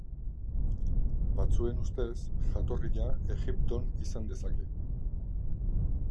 Batzuen ustez, jatorria Egipton izan dezake.